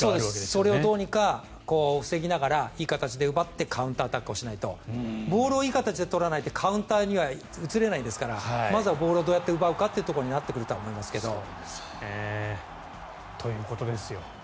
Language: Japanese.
それをどうにか防ぎながらいい形で奪ってカウンターアタックをしないとボールをいい形で取らないとカウンターには移れないですからまずはボールをどうやって奪うかというところになってくると思いますけど。ということですよ。